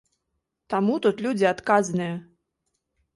Таму тут людзі адказныя.